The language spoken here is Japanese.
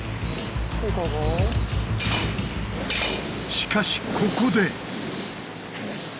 しかしここで。